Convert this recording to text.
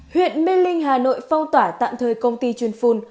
huyện mê linh hà nội phong tỏa tạm thời công ty chuyên phun